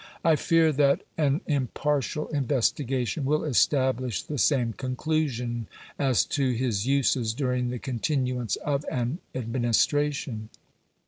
I fear that an impartial investigation will establish the same conclusion as to his uses during the continuance of an administration.